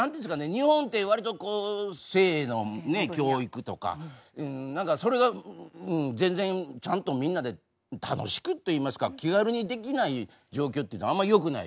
日本て割とこう性の教育とか何かそれが全然ちゃんとみんなで楽しくといいますか気軽にできない状況っていうのはあんまよくない。